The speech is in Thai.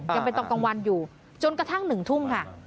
ยังเป็นตอนกลางวันอยู่จนกระทั่ง๑ทุ่มค่ะ